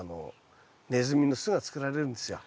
ネズミの巣が作られるんですよ。